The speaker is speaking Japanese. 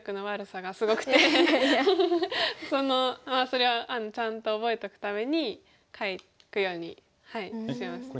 それはちゃんと覚えとくために書くようにしました。